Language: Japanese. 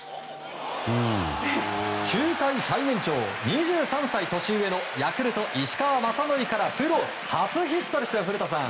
球界最年長、２３歳年上のヤクルト、石川雅規からプロ初ヒットですよ古田さん！